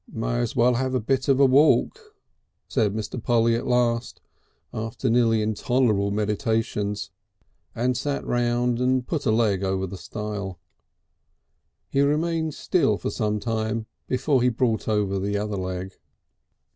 "May as well have a bit of a walk," said Mr. Polly at last, after nearly intolerable meditations, and sat round and put a leg over the stile. He remained still for some time before he brought over the other leg.